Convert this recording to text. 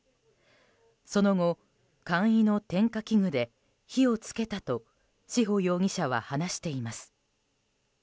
その後簡易の点火器具で火をつけたと志保容疑者は話しています。